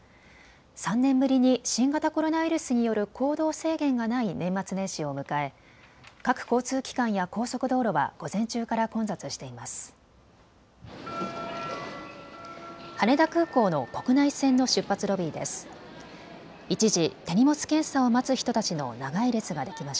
３年ぶりに新型コロナウイルスによる行動制限がない年末年始を迎え、各交通機関や高速道路は午前中から混雑しています。